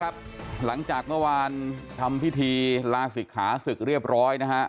หลังจากเมื่อวานทำพิธีลาศิกขาศึกเรียบร้อยนะฮะ